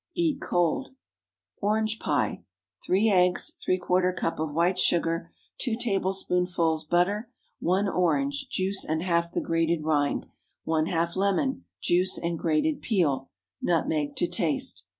Eat cold. ORANGE PIE. ✠ 3 eggs. ¾ cup of white sugar. 2 tablespoonfuls butter. 1 orange—juice and half the grated rind. ½ lemon—juice and grated peel. Nutmeg to taste.